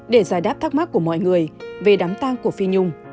để giải đáp thắc mắc của mọi người về đám tang của phi nhung